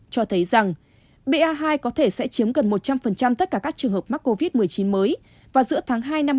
cho thấy rằng ba hai có thể sẽ chiếm gần một trăm linh tất cả các trường hợp mắc covid một mươi chín mới vào giữa tháng hai năm hai nghìn hai mươi